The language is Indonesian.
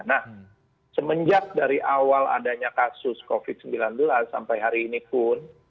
nah semenjak dari awal adanya kasus covid sembilan belas sampai hari ini pun